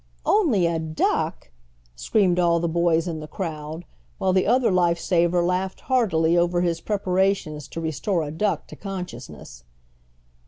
"Only a duck!" screamed all the boys in the crowd, while the other life saver laughed heartily over his preparations to restore a duck to consciousness.